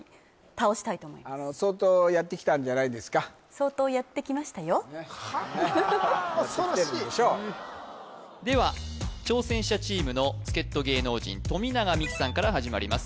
恐ろしいっはあ恐ろしいやってきてるんでしょうでは挑戦者チームの助っ人芸能人富永美樹さんから始まります